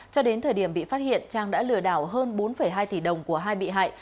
cho đến thời điểm bị phát hiện trang đã lừa đảo hơn bốn hai tỷ đồng của hai bị hại